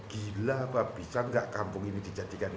gila apa bisa nggak kampung ini dijadikan